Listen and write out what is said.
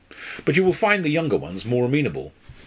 But you will find the younger ones more amenable."